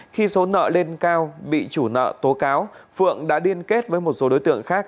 khi số nợ lên cao bị chủ nợ tố cáo phượng đã liên kết với một số đối tượng khác